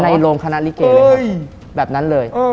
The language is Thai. ในโรงคณะลิเกเลยครับแบบนั้นเลย